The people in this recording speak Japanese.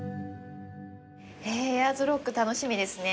エアーズロック楽しみですね。